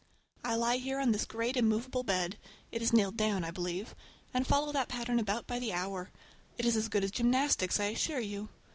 I lie here on this great immovable bed—it is nailed down, I believe—and follow that pattern about by the hour. It is as good as gymnastics, I assure you.